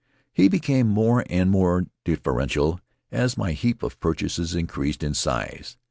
He became more and more deferential as my heap of purchases increased in size.